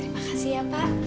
terima kasih ya pak